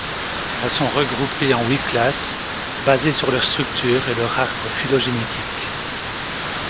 Elles sont regroupées en huit classes, basées sur leur structure et leur arbre phylogénétique.